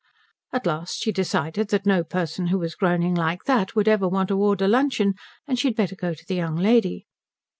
At last she decided that no person who was groaning like that would ever want to order luncheon, and she had better go to the young lady.